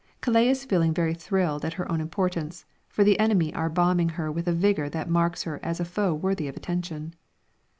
Calais is feeling very thrilled at her own importance, for the enemy are bombing her with a vigour that marks her as a foe worthy of attention.